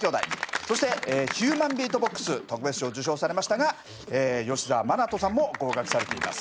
そしてヒューマン・ビートボックス特別賞を受賞されましたが吉澤心都さんも合格されています。